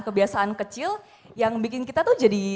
kebiasaan kecil yang bikin kita tuh jadi